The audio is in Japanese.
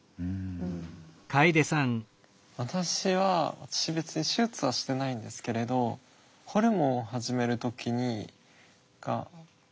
私は別に手術はしてないんですけれどホルモンを始める時に何か焦ってやったんですよ。